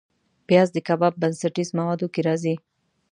پیاز د کباب بنسټیز موادو کې راځي